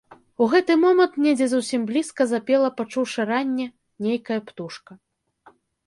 У гэты момант недзе зусім блізка запела, пачуўшы ранне, нейкая птушка.